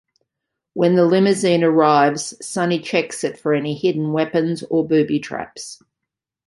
When the limousine arrives, Sonny checks it for any hidden weapons or booby traps.